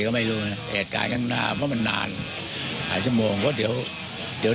ก็มีความดันแต่มียามะ